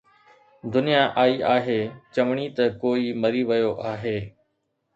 دنيا آئي آهي چوڻي ته ڪوئي مري ويو آهي